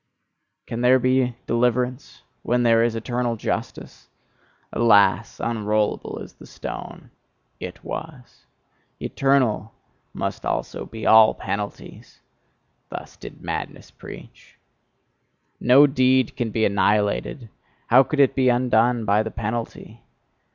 "Can there be deliverance when there is eternal justice? Alas, unrollable is the stone, 'It was': eternal must also be all penalties!" Thus did madness preach. "No deed can be annihilated: how could it be undone by the penalty!